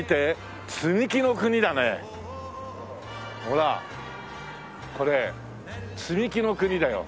ほらこれ積み木の国だよ。